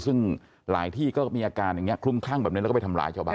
ซึ่งหลายที่ก็มีอาการอย่างนี้คลุมคลั่งแบบนี้แล้วก็ไปทำร้ายชาวบ้าน